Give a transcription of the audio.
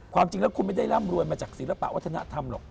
ความจริงแล้วคุณไม่ได้ร่ำรวยมาจากศิลปะวัฒนธรรมหรอก